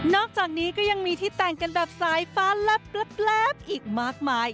อกจากนี้ก็ยังมีที่แต่งกันแบบสายฟ้าแลบอีกมากมาย